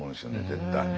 絶対。